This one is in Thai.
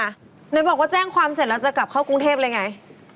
ไหนบอกว่าแจ้งความเสร็จแล้วจะกลับเข้ากรุงเทพเลยไง